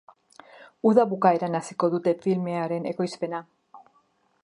Uda bukaeran hasiko dute filmearen ekoizpena.